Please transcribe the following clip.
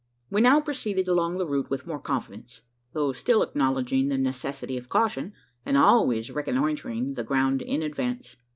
We now proceeded along the route with more confidence; though still acknowledging the necessity of caution, and always reconnoitring the ground in advance.